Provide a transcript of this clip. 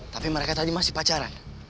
tapi mereka tadi masih pacaran